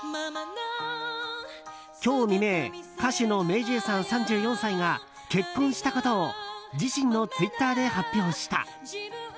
今日未明歌手のＭａｙＪ．さん３４歳が結婚したことを自身のツイッターで発表した。